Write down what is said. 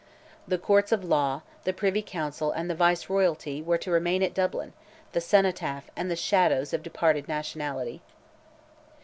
The Courts of Law, the Privy Council, and the Viceroyalty, were to remain at Dublin, the cenotaph and the shadows of departed nationality.